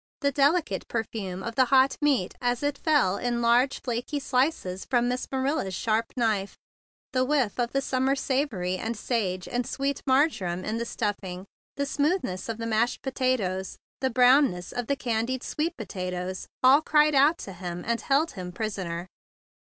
The delicate perfume of the hot meat as it fell in large, flaky slices from Miss Manila's sharp knife, the whiff of the summer savory and sage and sweet marjoram in the stuffing, the smoothness of the mashed potatoes, the brownness of the candied sweet potatoes, all cried out to him and held him prisoner.